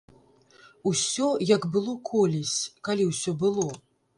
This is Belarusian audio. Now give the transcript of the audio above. Усё як было колісь, калі ўсё было!